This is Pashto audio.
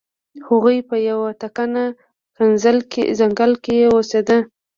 هغوی په یو تکنه ځنګل کې اوسیده.